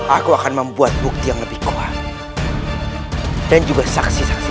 aku akan membuat bukti yang lebih koal dan juga saksi saksi